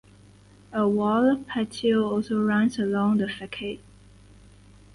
A walled patio also runs along the facade.